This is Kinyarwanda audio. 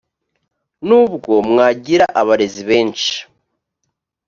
nubwo mwagira abarezi benshi